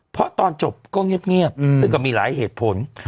เพราะตอนจบก็เงียบซึ่งก็มีหลายเหตุผล